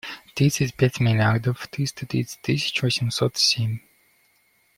Тридцать пять миллиардов триста тридцать тысяч восемьдесят семь.